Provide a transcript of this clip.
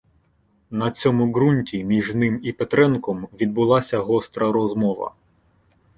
На цьому ґрунті між ним і Петренком відбулася гостра розмова.